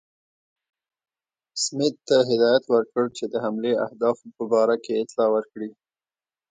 سمیت ته هدایت ورکړ چې د حملې اهدافو په باره کې اطلاع ورکړي.